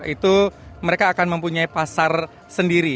itu mereka akan mempunyai pasar sendiri